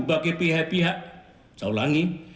yang merusak dan menghancurkan nama baik kita